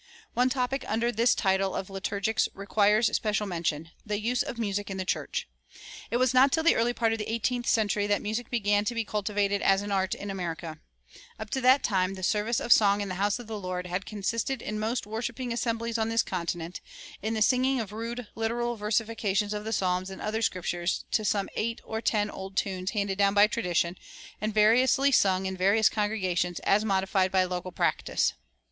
One topic under this title of Liturgics requires special mention the use of music in the church. It was not till the early part of the eighteenth century that music began to be cultivated as an art in America.[391:1] Up to that time "the service of song in the house of the Lord" had consisted, in most worshiping assemblies on this continent, in the singing of rude literal versifications of the Psalms and other Scriptures to some eight or ten old tunes handed down by tradition, and variously sung in various congregations, as modified by local practice.